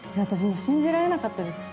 もう信じられなかったです